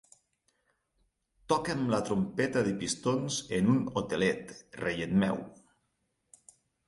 Toca'm la trompeta de pistons en un hotelet, reiet meu.